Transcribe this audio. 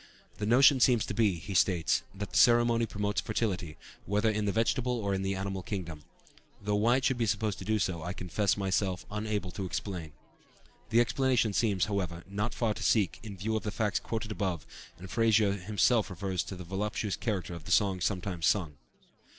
"The notion seems to be," he states, "that the ceremony promotes fertility, whether in the vegetable or in the animal kingdom; though why it should be supposed to do so, I confess myself unable to explain" (loc. cit., p. 450). The explanation seems, however, not far to seek, in view of the facts quoted above, and Frazer himself refers to the voluptuous character of the songs sometimes sung.